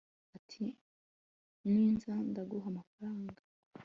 ati ninza ndaguha amafaranga